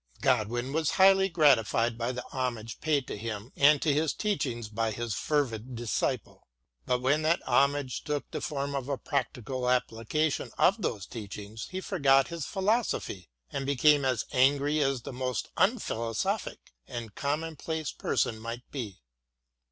Godwin was highly gratified by the homage paid to him and to his teachings by his fervid disciple, but when that homage took the form of a practical application of those teachings he forgot his philosophy and became as angry as the most unphilosophic and commonplace person might be.